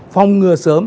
phòng ngừa sớm